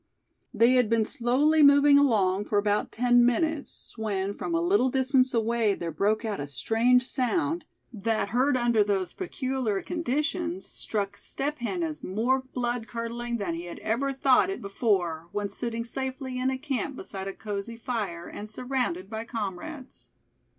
They had been slowly moving along for about ten minutes, when from a little distance away there broke out a strange sound that, heard under those peculiar conditions, struck Step Hen as more blood curdling than he had ever thought it before, when sitting safely in a camp beside a cozy fire, and surrounded by comrades.